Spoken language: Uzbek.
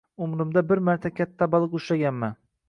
Umrimda bir marta katta baliq ushlaganman.